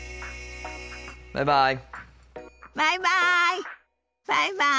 バイバイ。